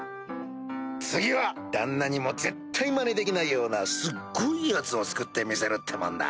次は旦那にも絶対マネできないようなすっごいやつを作ってみせるってもんだ。